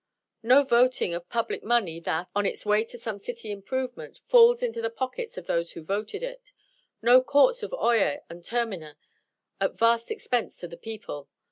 No voting of public money that, on its way to some city improvement, falls into the pockets of those who voted it. No courts of Oyer and Terminer, at vast expense to the people.